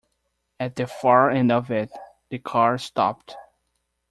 At the far end of it, the car stopped.